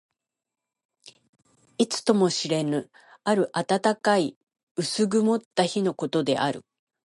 いつとも知れぬ、ある暖かい薄曇った日のことである。